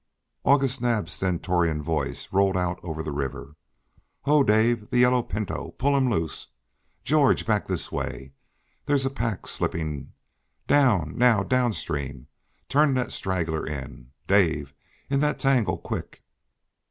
August Naab's stentorian voice rolled out over the river. "Ho! Dave the yellow pinto pull him loose George, back this way there's a pack slipping down now, downstream, turn that straggler in Dave, in that tangle quick!